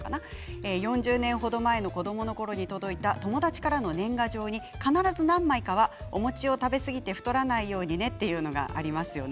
４０年程前の子どものころに届いた友達からの年賀に必ず何枚かお餅を食べ過ぎて太らないようにねというのがありますよね。